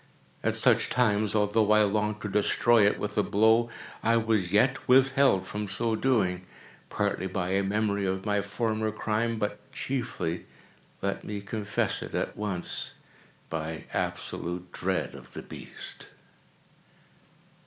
At such times, although I longed to destroy it with a blow, I was yet withheld from so doing, partly by a memory of my former crime, but chiefly—let me confess it at once—by absolute dread of the beast.